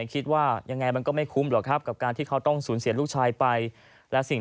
คิดว่ายังไงมันก็ไม่คุ้มกับการที่เขาต้องศูนย์เสียลูกชายไป